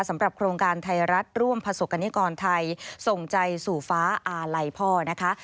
สำหรับโครงการไทยรัฐร่วมประสบกรณิกรไทยส่งใจสู่ฟ้าอาลัยพ่อนะคะ